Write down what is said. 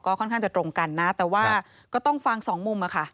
ค่อนข้างจะตรงกันนะแต่ว่าก็ต้องฟังสองมุมอะค่ะ